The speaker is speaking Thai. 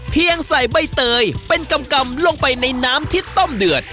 ใส่ใบเตยเป็นกำลงไปในน้ำที่ต้มเดือด